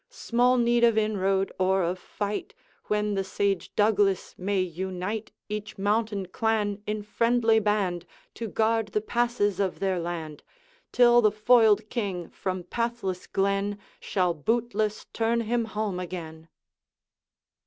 Small need of inroad or of fight, When the sage Douglas may unite Each mountain clan in friendly band, To guard the passes of their land, Till the foiled King from pathless glen Shall bootless turn him home again.'